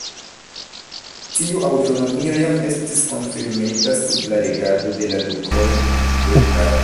Tiu aŭtonomio jam estis konfirmita sub la regado de la Dukoj de Milano.